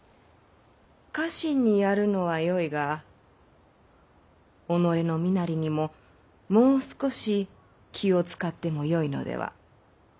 家臣にやるのはよいが己の身なりにももう少し気を遣ってもよいのでは？